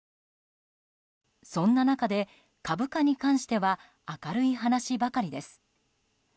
そんな中で、株価に関しては明るい話ばかりです。